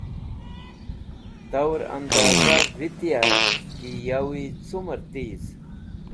Tor ẽndoza vitiya ki yawi cumẽr tiz.